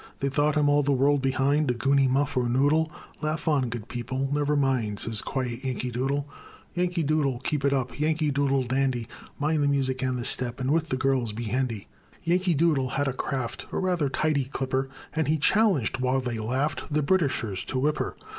They thought him all the world behind; A goney, muff, or noodle; Laugh on, good people, never mind Says quiet Yankee Doodle. Chorus Yankee Doodle, keep it up, Yankee Doodle Dandy! Mind the music and the step, And with the girls be handy! Yankee Doodle had a craft, A rather tidy clipper, And he challenged, while they laughed, The Britishers to whip her.